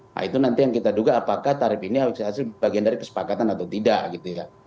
nah itu nanti yang kita duga apakah tarif ini hasil bagian dari kesepakatan atau tidak gitu ya